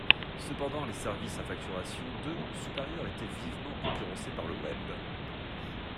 Cependant les services à facturation de ou supérieur étaient vivement concurrencés par le Web.